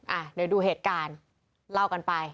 อ่ะเดี๋ยวดูเหตุการณ์เล่ากันไป